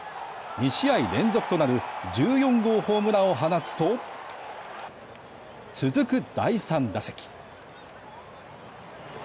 ２試合連続となる１４号ホームランを放つと続く第３打席。